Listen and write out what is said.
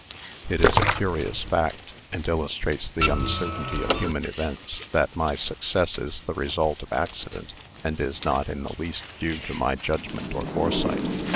"It is a curious fact, and illustrates the uncertainty of human events, that my success is the result of accident, and is not in the least due to my judgment or foresight.